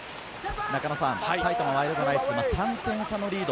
埼玉ワイルドナイツは今、３点差のリード。